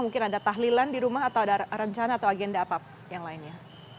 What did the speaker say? mungkin ada tahlilan di rumah atau ada rencana atau agenda apa yang lainnya